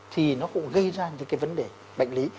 thì nó cũng gây ra những cái vấn đề bệnh lý